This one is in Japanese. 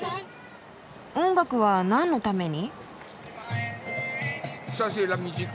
音楽はなんのために？